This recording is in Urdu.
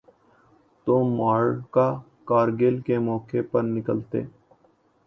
تو معرکہ کارگل کے موقع پہ نکالتے۔